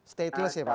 stateless ya pak